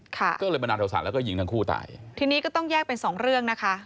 ก็เลยบันดาลโทษะแล้วก็ยิงทั้งคู่ตายทีนี้ก็ต้องแยกเป็นสองเรื่องนะคะ